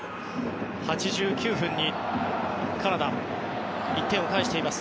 ８９分にカナダ、１点を返しています。